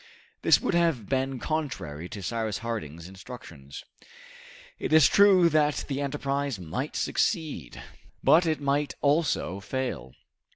This would have been contrary to Cyrus Harding's instructions. It is true that the enterprise might succeed, but it might also fail.